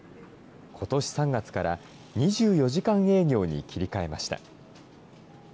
ことし３月から２４時間営業に切り替えました。